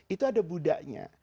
itu ada budaknya